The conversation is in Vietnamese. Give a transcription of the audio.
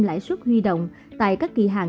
lãi suất huy động tại các kỳ hạn